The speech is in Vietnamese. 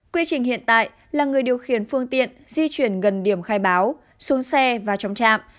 quy trình hiện tại là người điều khiển phương tiện di chuyển gần điểm khai báo xuống xe và trong trạm